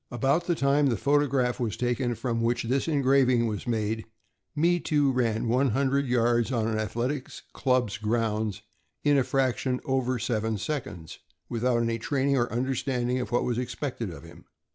About the time the photograph was taken from which this engraving was made, Me Too ran one hundred yards on an athletic club's grounds in a fraction over seven seconds, without any training or understanding of what was expected of him.